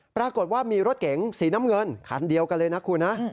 ปรากฏว่ามีรถเก๋งสีน้ำเงินคันเดียวกันเลยนะคุณนะ